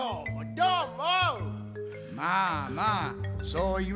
どーも。